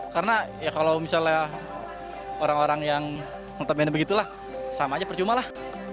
karena ya kalau misalnya orang orang yang mengetepinnya begitu lah sama aja percuma lah